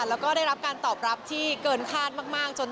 แล้วก็ได้รับการตอบรับที่เกินคาดมากจน